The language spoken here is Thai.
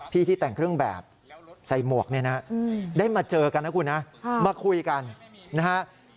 ที่ที่แต่งเครื่องแบบใส่หมวกเนี่ยนะได้มาเจอกันนะคุณนะมาคุยกันนะฮะ